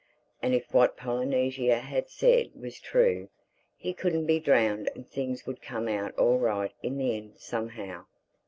And if what Polynesia had said was true, he couldn't be drowned and things would come out all right in the end somehow.